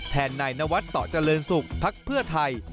แทนนายนวัฒน์ต่อเจริญศุกร์พักเพื่อไทย